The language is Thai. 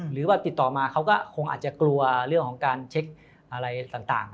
หรือว่าติดต่อมาเขาก็คงอาจจะกลัวเรื่องของการเช็คอะไรต่าง